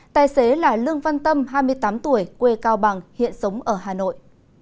tài xế là lương văn tâm hai mươi tám tuổi quê cao bằng hiện sống ở hà nội